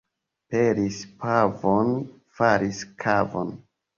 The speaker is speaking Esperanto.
Pelis pavon, falis kavon.